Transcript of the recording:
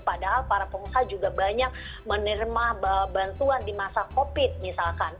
padahal para pengusaha juga banyak menerima bantuan di masa covid misalkan